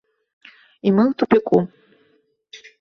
І мы ў тупіку.